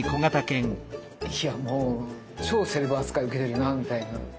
いやもう超セレブ扱い受けてるなぁみたいな。